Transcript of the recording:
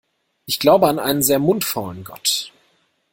Ich glaube an einen sehr mundfaulen Gott.